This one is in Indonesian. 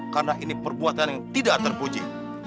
karena ini perbuatan yang tidak terpuji